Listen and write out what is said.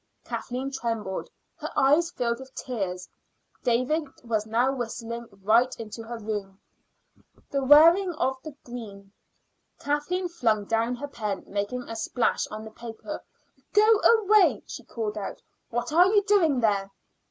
Kathleen trembled. Her eyes filled with tears. David was now whistling right into her room "The Wearing of the Green." Kathleen flung down her pen, making a splash on the paper. "Go away," she called out. "What are you doing there?"